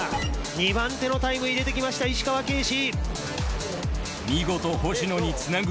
２番手のタイム入れてきました石川京侍！